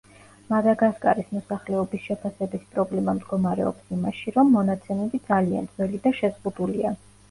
მადაგასკარის მოსახლეობის შეფასების პრობლემა მდგომარეობს იმაში, რომ მონაცემები ძალიან ძველი და შეზღუდულია.